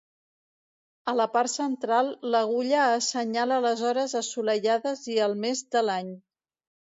A la part central l'agulla assenyala les hores assolellades i el mes de l'any.